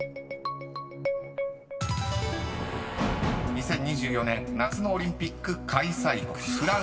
［２０２４年夏のオリンピック開催国フランス］